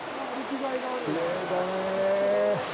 きれいだねぇ。